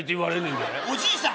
んでおじいさん？